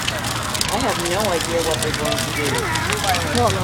I have no idea what they're going to do.